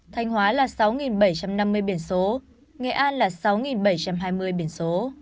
thanh hóa là sáu bảy trăm năm mươi biển số nghệ an là sáu bảy trăm hai mươi biển số